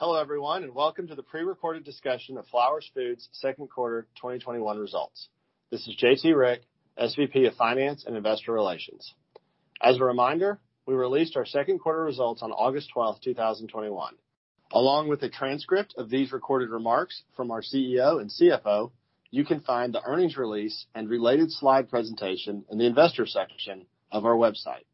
Hello, everyone, and welcome to the pre-recorded discussion of Flowers Foods' second quarter 2021 results. This is J.T. Rieck, SVP of Finance and Investor Relations. As a reminder, we released our second quarter results on August 12th, 2021. Along with a transcript of these recorded remarks from our CEO and CFO, you can find the earnings release and related slide presentation in the Investors section of our website.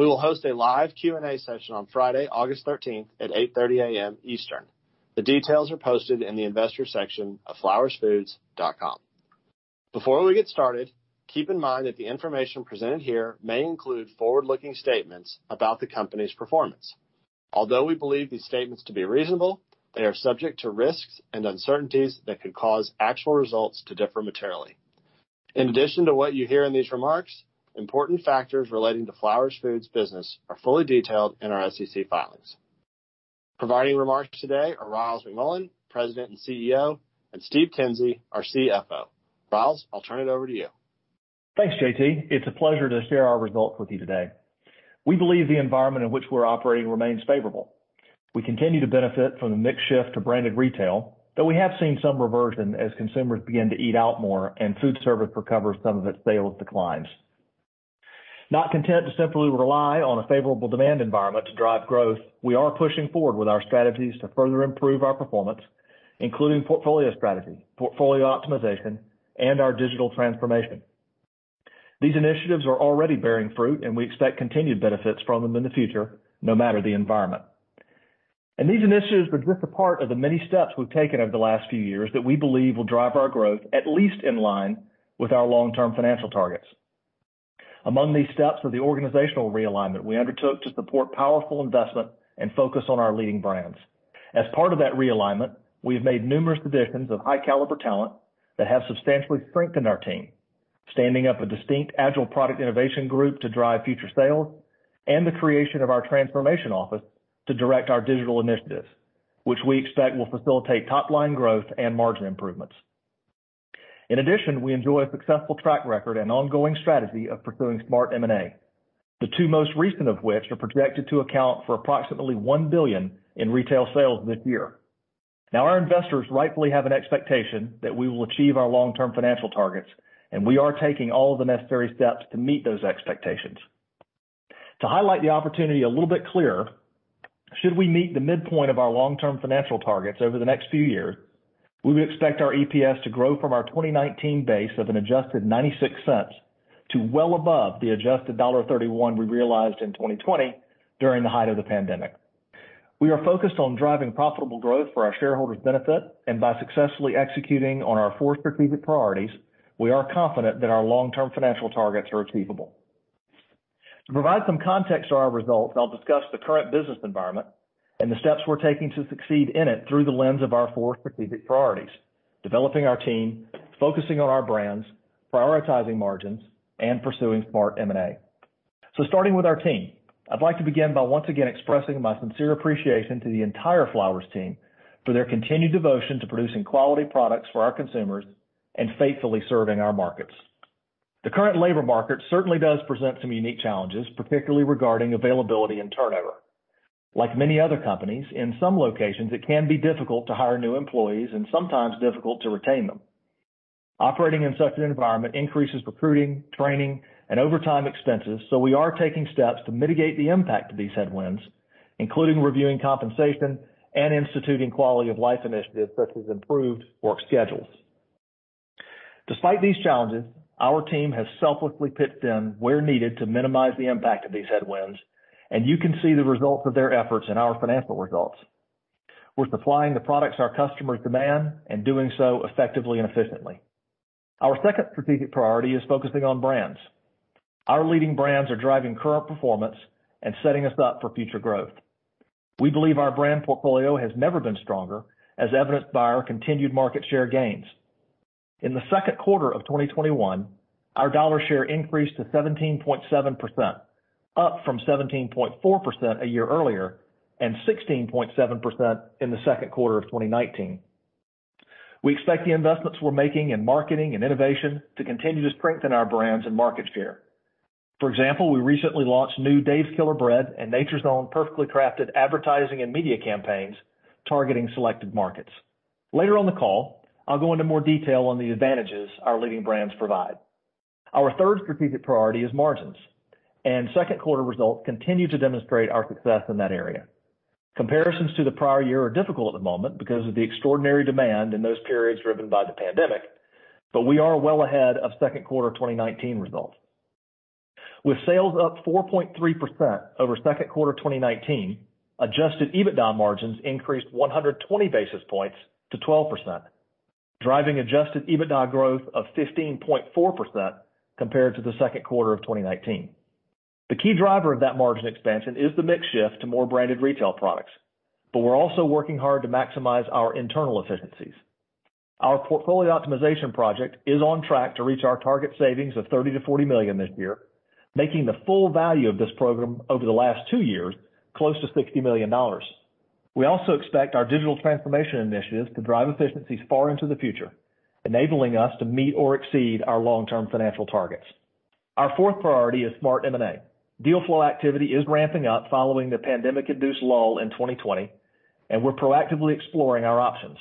We will host a live Q&A session on Friday, August 13th at 8:30 AM Eastern. The details are posted in the Investors section of flowersfoods.com. Before we get started, keep in mind that the information presented here may include forward-looking statements about the company's performance. Although we believe these statements to be reasonable, they are subject to risks and uncertainties that could cause actual results to differ materially. In addition to what you hear in these remarks, important factors relating to Flowers Foods business are fully detailed in our SEC filings. Providing remarks today are Ryals McMullian, President and CEO, and Steve Kinsey, our CFO. Ryals, I'll turn it over to you. Thanks, J.T. It's a pleasure to share our results with you today. We believe the environment in which we're operating remains favorable. We continue to benefit from the mix shift to branded retail, though we have seen some reversion as consumers begin to eat out more and food service recovers some of its sales declines. Not content to simply rely on a favorable demand environment to drive growth, we are pushing forward with our strategies to further improve our performance, including portfolio strategy, portfolio optimization, and our digital transformation. These initiatives are already bearing fruit and we expect continued benefits from them in the future, no matter the environment. These initiatives are just a part of the many steps we've taken over the last few years that we believe will drive our growth at least in line with our long-term financial targets. Among these steps are the organizational realignment we undertook to support powerful investment and focus on our leading brands. As part of that realignment, we have made numerous additions of high caliber talent that have substantially strengthened our team, standing up a distinct agile product innovation group to drive future sales, and the creation of our transformation office to direct our digital initiatives, which we expect will facilitate top-line growth and margin improvements. In addition, we enjoy a successful track record and ongoing strategy of pursuing smart M&A, the two most recent of which are projected to account for approximately $1 billion in retail sales this year. Now, our investors rightfully have an expectation that we will achieve our long-term financial targets, and we are taking all of the necessary steps to meet those expectations. To highlight the opportunity a little bit clearer, should we meet the midpoint of our long-term financial targets over the next few years, we would expect our EPS to grow from our 2019 base of an adjusted $0.96 to well above the adjusted $1.31 we realized in 2020 during the height of the pandemic. We are focused on driving profitable growth for our shareholders' benefit, and by successfully executing on our four strategic priorities, we are confident that our long-term financial targets are achievable. To provide some context to our results, I'll discuss the current business environment and the steps we're taking to succeed in it through the lens of our four strategic priorities, developing our team, focusing on our brands, prioritizing margins, and pursuing smart M&A. Starting with our team, I'd like to begin by once again expressing my sincere appreciation to the entire Flowers team for their continued devotion to producing quality products for our consumers and faithfully serving our markets. The current labor market certainly does present some unique challenges, particularly regarding availability and turnover. Like many other companies, in some locations, it can be difficult to hire new employees and sometimes difficult to retain them. Operating in such an environment increases recruiting, training, and overtime expenses, so we are taking steps to mitigate the impact of these headwinds, including reviewing compensation and instituting quality of life initiatives such as improved work schedules. Despite these challenges, our team has selflessly pitched in where needed to minimize the impact of these headwinds, and you can see the results of their efforts in our financial results. We're supplying the products our customers demand and doing so effectively and efficiently. Our second strategic priority is focusing on brands. Our leading brands are driving current performance and setting us up for future growth. We believe our brand portfolio has never been stronger, as evidenced by our continued market share gains. In the second quarter of 2021, our dollar share increased to 17.7%, up from 17.4% a year earlier and 16.7% in the second quarter of 2019. We expect the investments we're making in marketing and innovation to continue to strengthen our brands and market share. For example, we recently launched new Dave's Killer Bread and Nature's Own Perfectly Crafted advertising and media campaigns targeting selected markets. Later on the call, I'll go into more detail on the advantages our leading brands provide. Our third strategic priority is margins, and second quarter results continue to demonstrate our success in that area. Comparisons to the prior year are difficult at the moment because of the extraordinary demand in those periods driven by the pandemic, but we are well ahead of second quarter 2019 results. With sales up 4.3% over second quarter 2019, adjusted EBITDA margins increased 120 basis points to 12%, driving adjusted EBITDA growth of 15.4% compared to the second quarter of 2019. The key driver of that margin expansion is the mix shift to more branded retail products, but we're also working hard to maximize our internal efficiencies. Our portfolio optimization project is on track to reach our target savings of $30 million-$40 million this year, making the full value of this program over the last two years close to $60 million. We also expect our digital transformation initiatives to drive efficiencies far into the future, enabling us to meet or exceed our long-term financial targets. Our fourth priority is smart M&A. Deal flow activity is ramping up following the pandemic-induced lull in 2020, and we're proactively exploring our options.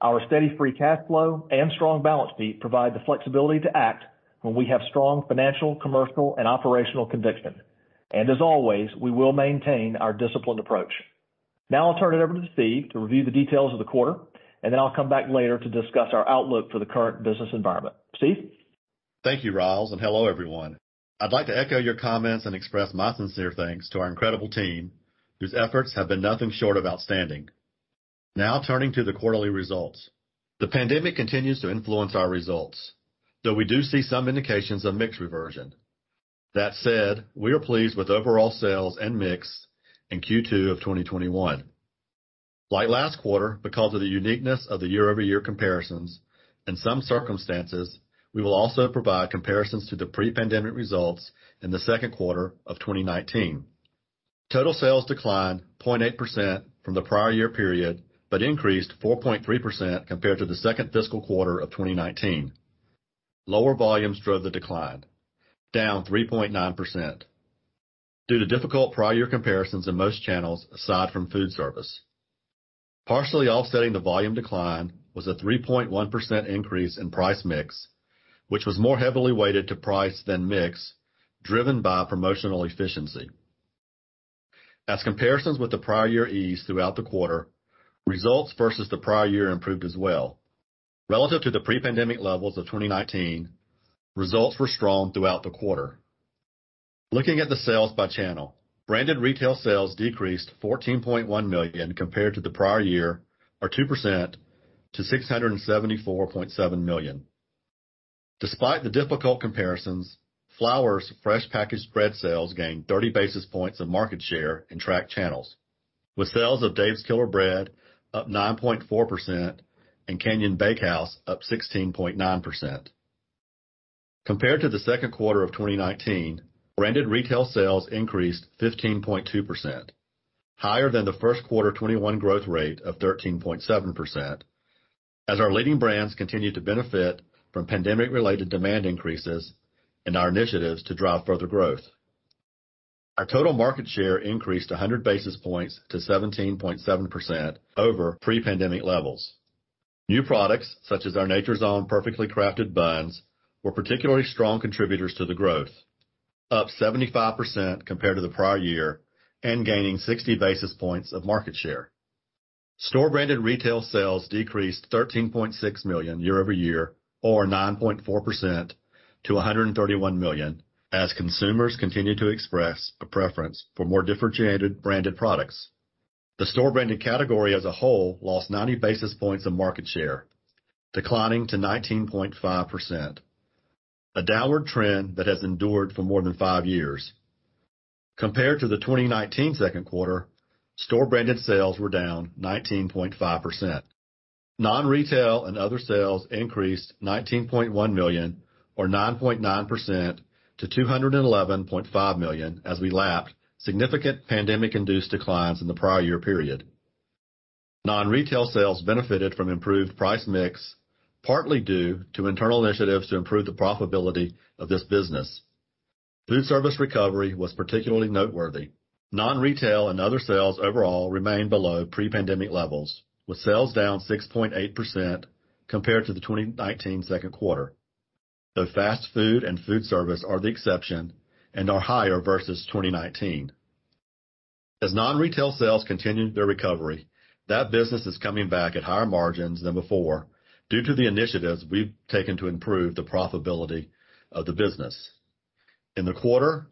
Our steady free cash flow and strong balance sheet provide the flexibility to act when we have strong financial, commercial, and operational conviction. As always, we will maintain our disciplined approach. I'll turn it over to Steve to review the details of the quarter, and then I'll come back later to discuss our outlook for the current business environment. Steve? Thank you, Ryals, and hello, everyone. I'd like to echo your comments and express my sincere thanks to our incredible team, whose efforts have been nothing short of outstanding. Now turning to the quarterly results. The pandemic continues to influence our results, though we do see some indications of mix reversion. That said, we are pleased with overall sales and mix in Q2 of 2021. Like last quarter, because of the uniqueness of the year-over-year comparisons, in some circumstances, we will also provide comparisons to the pre-pandemic results in the second quarter of 2019. Total sales declined 0.8% from the prior year period, but increased 4.3% compared to the second fiscal quarter of 2019. Lower volumes drove the decline, down 3.9%, due to difficult prior year comparisons in most channels, aside from food service. Partially offsetting the volume decline was a 3.1% increase in price mix, which was more heavily weighted to price than mix, driven by promotional efficiency. As comparisons with the prior year eased throughout the quarter, results versus the prior year improved as well. Relative to the pre-pandemic levels of 2019, results were strong throughout the quarter. Looking at the sales by channel, branded retail sales decreased to $14.1 million compared to the prior year, or 2% to $674.7 million. Despite the difficult comparisons, Flowers' fresh packaged bread sales gained 30 basis points of market share in tracked channels, with sales of Dave's Killer Bread up 9.4% and Canyon Bakehouse up 16.9%. Compared to the second quarter of 2019, branded retail sales increased 15.2%, higher than the first quarter 2021 growth rate of 13.7%, as our leading brands continue to benefit from pandemic-related demand increases and our initiatives to drive further growth. Our total market share increased 100 basis points to 17.7% over pre-pandemic levels. New products, such as our Nature's Own Perfectly Crafted buns, were particularly strong contributors to the growth, up 75% compared to the prior year and gaining 60 basis points of market share. Store branded retail sales decreased $13.6 million year over year or 9.4% to $131 million, as consumers continue to express a preference for more differentiated branded products. The store branded category as a whole lost 90 basis points of market share, declining to 19.5%, a downward trend that has endured for more than five years. Compared to the 2019 second quarter, store branded sales were down 19.5%. Non-retail and other sales increased $19.1 million or 9.9% to $211.5 million as we lapped significant pandemic-induced declines in the prior year period. Non-retail sales benefited from improved price mix, partly due to internal initiatives to improve the profitability of this business. Food service recovery was particularly noteworthy. Non-retail and other sales overall remained below pre-pandemic levels, with sales down 6.8% compared to the 2019 second quarter, though fast food and food service are the exception and are higher versus 2019. As non-retail sales continue their recovery, that business is coming back at higher margins than before due to the initiatives we've taken to improve the profitability of the business. In the quarter,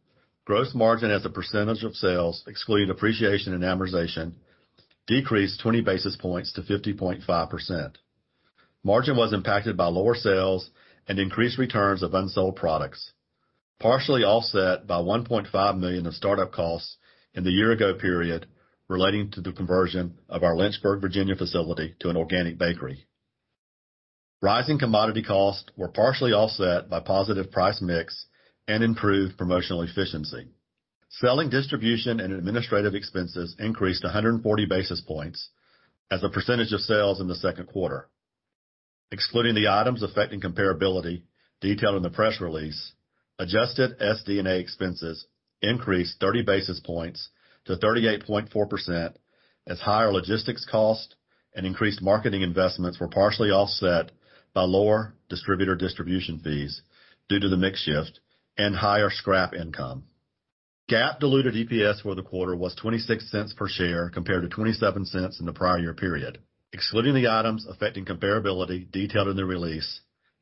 gross margin as a percentage of sales, excluding depreciation and amortization, decreased 20 basis points to 50.5%. Margin was impacted by lower sales and increased returns of unsold products, partially offset by $1.5 million in startup costs in the year ago period relating to the conversion of our Lynchburg, Virginia facility to an organic bakery. Rising commodity costs were partially offset by positive price mix and improved promotional efficiency. Selling, distribution, and administrative expenses increased 140 basis points as a percentage of sales in the second quarter. Excluding the items affecting comparability detailed in the press release, adjusted SD&A expenses increased 30 basis points to 38.4% as higher logistics costs and increased marketing investments were partially offset by lower distributor distribution fees due to the mix shift and higher scrap income. GAAP diluted EPS for the quarter was $0.26 per share compared to $0.27 in the prior year period. Excluding the items affecting comparability detailed in the release,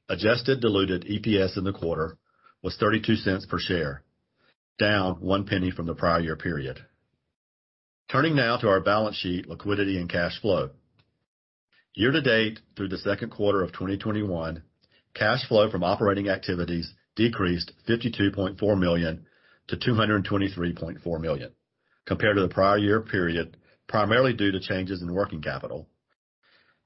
adjusted diluted EPS in the quarter was $0.32 per share, down $0.01 from the prior year period. Turning now to our balance sheet, liquidity, and cash flow. Year to date through the second quarter of 2021, cash flow from operating activities decreased $52.4 million to $223.4 million compared to the prior year period, primarily due to changes in working capital.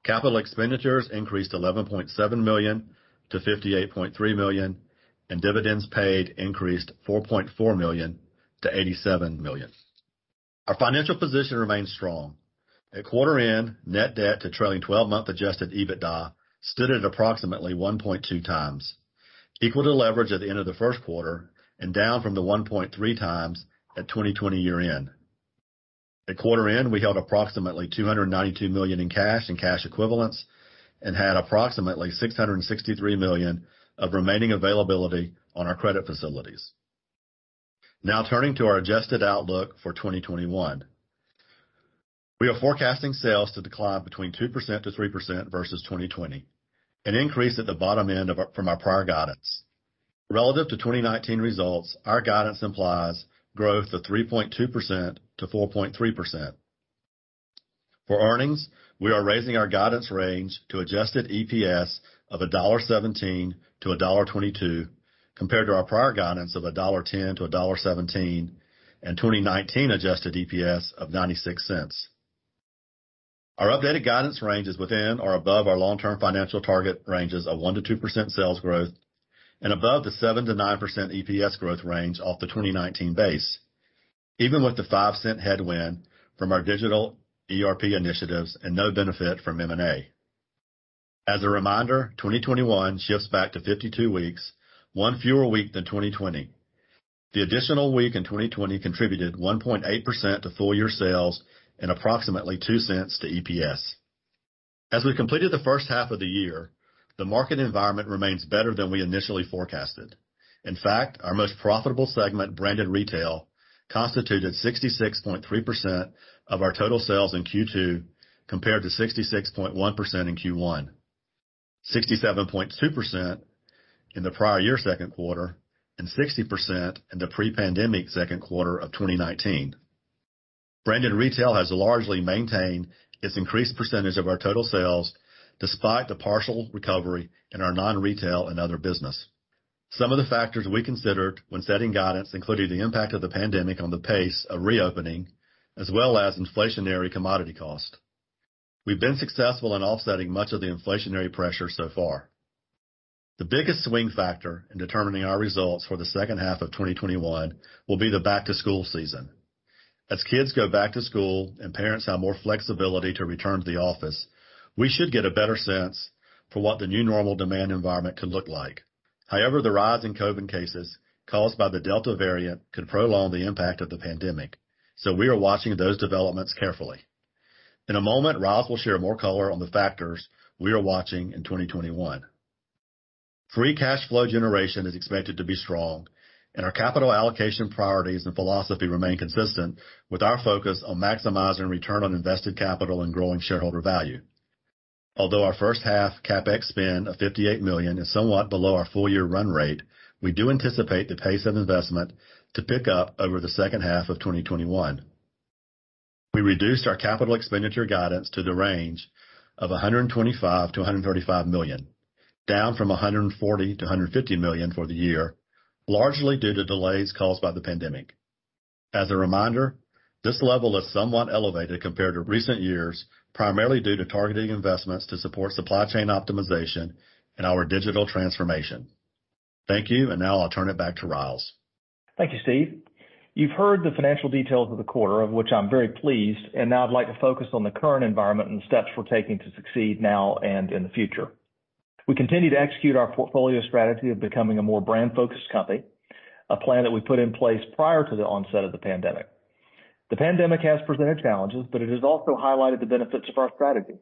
Capital expenditures increased $11.7 million to $58.3 million and dividends paid increased $4.4 million to $87 million. Our financial position remains strong. At quarter end, net debt to trailing 12-month adjusted EBITDA stood at approximately 1.2x, equal to leverage at the end of the first quarter and down from the 1.3x at 2020 year-end. At quarter end, we held approximately $219 million in cash and cash equivalents and had approximately $663 million of remaining availability on our credit facilities. Turning to our adjusted outlook for 2021. We are forecasting sales to decline between 2%-3% versus 2020, an increase at the bottom end from our prior guidance. Relative to 2019 results, our guidance implies growth of 3.2%-4.3%. For earnings, we are raising our guidance range to adjusted EPS of $1.17-$1.22 compared to our prior guidance of $1.10-$1.17 and 2019 adjusted EPS of $0.96. Our updated guidance range is within or above our long-term financial target ranges of 1%-2% sales growth and above the 7%-9% EPS growth range off the 2019 base, even with the $0.05 headwind from our digital ERP initiatives and no benefit from M&A. As a reminder, 2021 shifts back to 52 weeks, 1 fewer week than 2020. The additional 1 week in 2020 contributed 1.8% to full year sales and approximately $0.02 to EPS. As we completed the first half of the year, the market environment remains better than we initially forecasted. In fact, our most profitable segment, branded retail, constituted 66.3% of our total sales in Q2 compared to 66.1% in Q1, 67.2% in the prior year second quarter, and 60% in the pre-pandemic second quarter of 2019. Branded retail has largely maintained its increased percentage of our total sales despite the partial recovery in our non-retail and other business. Some of the factors we considered when setting guidance included the impact of the pandemic on the pace of reopening as well as inflationary commodity cost. We've been successful in offsetting much of the inflationary pressure so far. The biggest swing factor in determining our results for the second half of 2021 will be the back-to-school season. As kids go back to school and parents have more flexibility to return to the office, we should get a better sense for what the new normal demand environment could look like. However, the rise in COVID cases caused by the Delta variant could prolong the impact of the pandemic, so we are watching those developments carefully. In a moment, Ryals will share more color on the factors we are watching in 2021. Free cash flow generation is expected to be strong, and our capital allocation priorities and philosophy remain consistent with our focus on maximizing return on invested capital and growing shareholder value. Although our first half CapEx spend of $58 million is somewhat below our full year run rate, we do anticipate the pace of investment to pick up over the second half of 2021. We reduced our capital expenditure guidance to the range of $125 million-$135 million, down from $140 million-$150 million for the year, largely due to delays caused by the pandemic. As a reminder, this level is somewhat elevated compared to recent years, primarily due to targeting investments to support supply chain optimization and our digital transformation. Thank you, and now I'll turn it back to Ryals. Thank you, Steve. You've heard the financial details of the quarter, of which I'm very pleased, and now I'd like to focus on the current environment and steps we're taking to succeed now and in the future. We continue to execute our portfolio strategy of becoming a more brand-focused company, a plan that we put in place prior to the onset of the pandemic. The pandemic has presented challenges, but it has also highlighted the benefits of our strategy.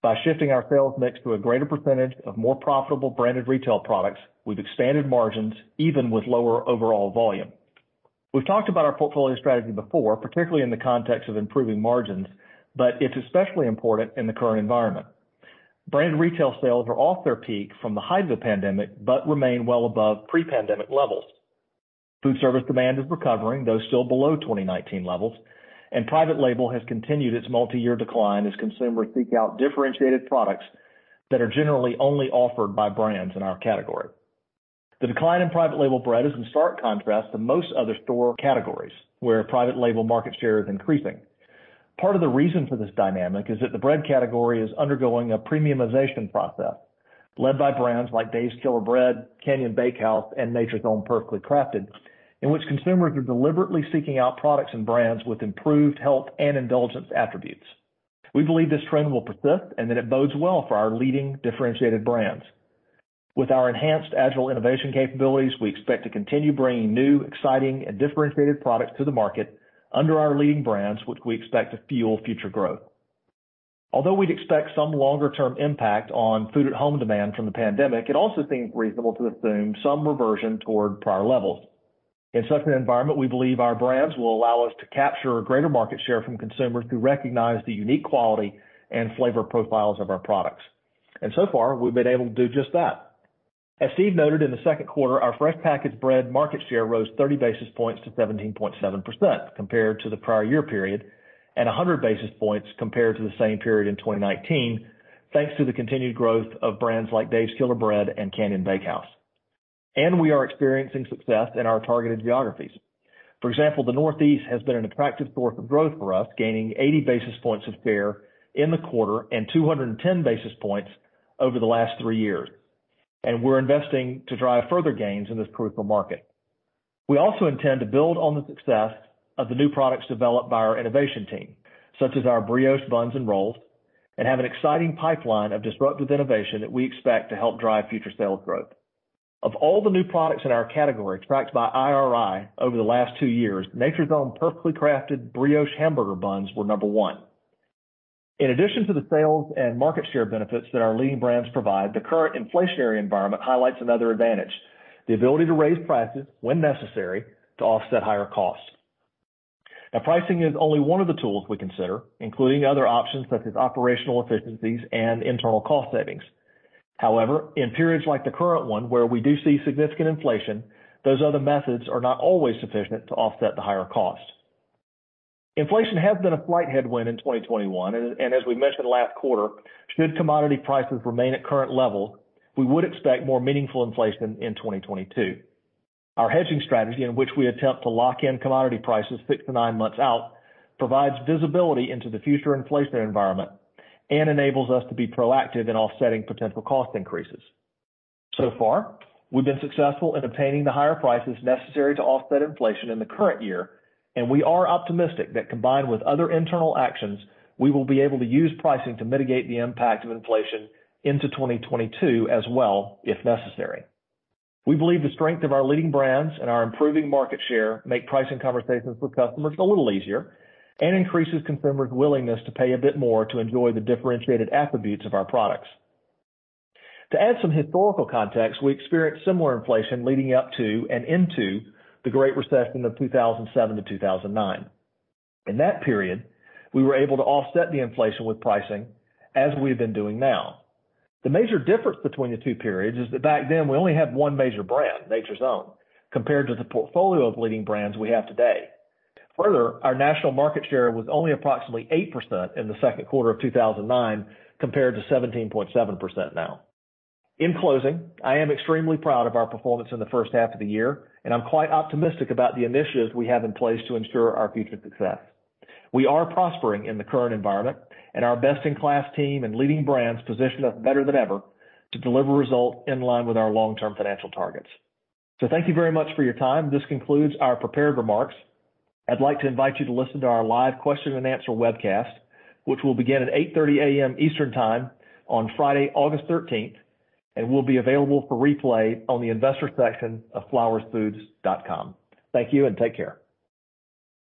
By shifting our sales mix to a greater percentage of more profitable branded retail products, we've expanded margins even with lower overall volume. We've talked about our portfolio strategy before, particularly in the context of improving margins, but it's especially important in the current environment. Branded retail sales are off their peak from the height of the pandemic but remain well above pre-pandemic levels. Food service demand is recovering, though still below 2019 levels, and private label has continued its multi-year decline as consumers seek out differentiated products that are generally only offered by brands in our category. The decline in private label bread is in stark contrast to most other store categories where private label market share is increasing. Part of the reason for this dynamic is that the bread category is undergoing a premiumization process led by brands like Dave's Killer Bread, Canyon Bakehouse, and Nature's Own Perfectly Crafted, in which consumers are deliberately seeking out products and brands with improved health and indulgence attributes. We believe this trend will persist, and that it bodes well for our leading differentiated brands. With our enhanced agile innovation capabilities, we expect to continue bringing new, exciting, and differentiated products to the market under our leading brands, which we expect to fuel future growth. Although we'd expect some longer term impact on food-at-home demand from the pandemic, it also seems reasonable to assume some reversion toward prior levels. In such an environment, we believe our brands will allow us to capture a greater market share from consumers who recognize the unique quality and flavor profiles of our products. So far, we've been able to do just that. As Steve noted in the second quarter, our fresh packaged bread market share rose 30 basis points to 17.7% compared to the prior year period and 100 basis points compared to the same period in 2019, thanks to the continued growth of brands like Dave's Killer Bread and Canyon Bakehouse. We are experiencing success in our targeted geographies. For example, the Northeast has been an attractive source of growth for us, gaining 80 basis points of share in the quarter and 210 basis points over the last three years. We're investing to drive further gains in this critical market. We also intend to build on the success of the new products developed by our innovation team, such as our brioche buns and rolls, and have an exciting pipeline of disruptive innovation that we expect to help drive future sales growth. Of all the new products in our category tracked by IRI over the last two years, Nature's Own Perfectly Crafted brioche hamburger buns were number one. In addition to the sales and market share benefits that our leading brands provide, the current inflationary environment highlights another advantage, the ability to raise prices when necessary to offset higher costs. Now, pricing is only one of the tools we consider, including other options such as operational efficiencies and internal cost savings. However, in periods like the current one, where we do see significant inflation, those other methods are not always sufficient to offset the higher cost. Inflation has been a slight headwind in 2021, and as we mentioned last quarter, should commodity prices remain at current levels, we would expect more meaningful inflation in 2022. Our hedging strategy, in which we attempt to lock in commodity prices 6-9 months out, provides visibility into the future inflation environment and enables us to be proactive in offsetting potential cost increases. Far, we've been successful in obtaining the higher prices necessary to offset inflation in the current year, and we are optimistic that combined with other internal actions, we will be able to use pricing to mitigate the impact of inflation into 2022 as well, if necessary. We believe the strength of our leading brands and our improving market share make pricing conversations with customers a little easier and increases consumers' willingness to pay a bit more to enjoy the differentiated attributes of our products. To add some historical context, we experienced similar inflation leading up to and into the Great Recession of 2007 to 2009. In that period, we were able to offset the inflation with pricing as we've been doing now. The major difference between the two periods is that back then we only had one major brand, Nature's Own, compared to the portfolio of leading brands we have today. Our national market share was only approximately 8% in the second quarter of 2009, compared to 17.7% now. In closing, I am extremely proud of our performance in the first half of the year, and I'm quite optimistic about the initiatives we have in place to ensure our future success. We are prospering in the current environment, Our best-in-class team and leading brands position us better than ever to deliver results in line with our long-term financial targets. Thank you very much for your time. This concludes our prepared remarks. I'd like to invite you to listen to our live question and answer webcast, which will begin at 8:30 A.M. Eastern Time on Friday, August 13th, and will be available for replay on the investor section of flowersfoods.com. Thank you and take care.